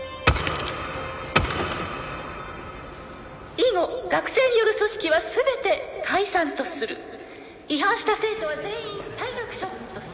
「以後学生による組織は全て解散とする」「違反した生徒は全員退学処分とす」